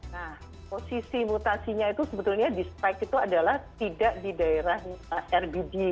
nah posisi mutasinya itu sebetulnya despike itu adalah tidak di daerah rbd